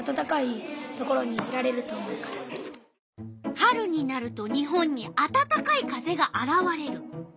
春になると日本にあたたかい風があらわれる。